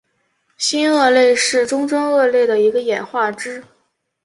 新鳄类是中真鳄类的一个演化支。